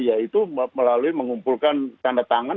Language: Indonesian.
yaitu melalui mengumpulkan tanda tangan